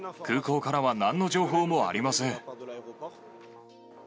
空港からはなんの情報もありません。